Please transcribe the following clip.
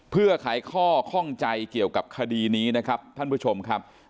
เพื่อขายข้อข้องใจเกี่ยวกับคดีนี้นะครับท่านผู้ชมครับ